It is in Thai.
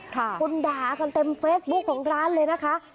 คนด่ากันเต็มเฟซบุ๊คของร้านเลยนะคะ